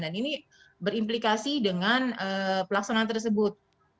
dan ini berimplikasi dengan pelaksanaan tersebut